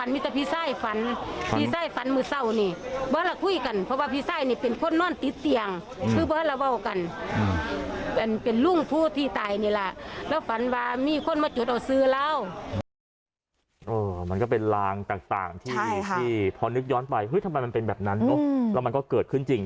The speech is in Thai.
มันก็เป็นลางต่างที่พอนึกย้อนไปทำไมมันเป็นแบบนั้นเนอะแล้วมันก็เกิดขึ้นจริง